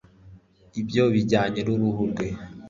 ibyo bijyanye n'uruhu rwe